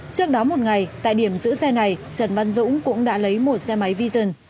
trước đó một ngày tại điểm giữ xe này trần văn dũng cũng đã lấy một xe máy vision